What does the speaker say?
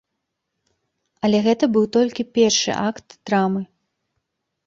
Але гэта быў толькі першы акт драмы.